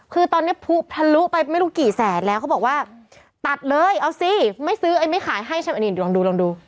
คือตอนนี้ผู้ทะลุไปไม่รู้กี่แสนแล้วเขาบอกว่าตัดเลยเอาสิไม่ซื้อไอ้ไม่ขายให้ใช่ไหมนี่ลองดูลองดู